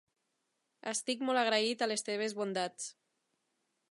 Estic molt agraït a les teves bondats.